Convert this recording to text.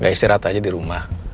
istirahat aja di rumah